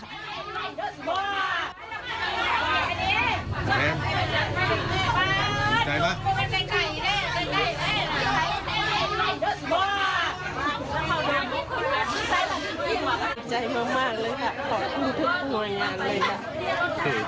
คือตลอดทุกภาคทุกคนทุกคน